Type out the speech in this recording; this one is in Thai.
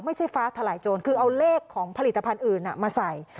ฟ้าทลายโจรคือเอาเลขของผลิตภัณฑ์อื่นมาใส่